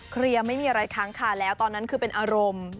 เคลียร์ไม่มีอะไรครั้งค่ะแล้วตอนนั้นคือเป็นอารมณ์